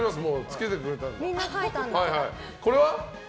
これは？